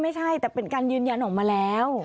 ไม่ใช่แต่เป็นการยืนยันออกมาแล้ว